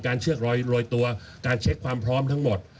เชือกรอยตัวการเช็คความพร้อมทั้งหมด